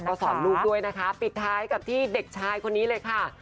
ก็สอนลูกด้วยนะคะปิดท้ายกับที่เด็กชายคนนี้เลยค่ะ